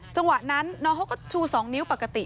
จังหวะนั้นน้องเขาก็ชู๒นิ้วปกติ